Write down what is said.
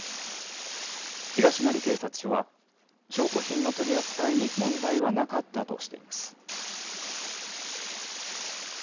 東成警察署は証拠品の取り扱いに問題はなかったとしています。